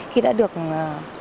khi đã được nhận lại tài sản